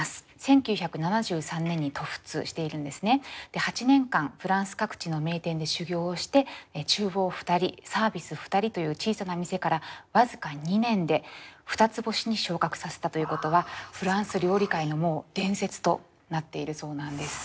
で８年間フランス各地の名店で修業をして厨房２人サービス２人という小さな店から僅か２年で２つ星に昇格させたということはフランス料理界の伝説となっているそうなんです。